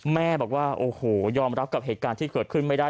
แม่บอกว่าโอ้โหยอมรับกับเหตุการณ์ที่เกิดขึ้นไม่ได้